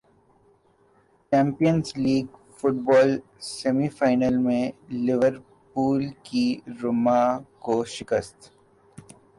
champions League football semi final میں Liverpool کی روما کو شکست